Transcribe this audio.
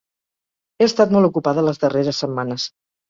He estat molt ocupada les darreres setmanes.